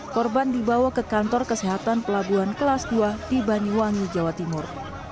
korban dibawa ke kantor kesehatan pelabuhan kelas dua di banyuwangi jawa timur